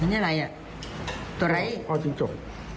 อืมนี่อะไรอ่ะตัวอะไรอีกอ๋อจิ้นจก